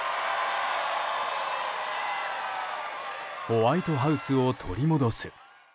ホワイトハウスを取り戻す。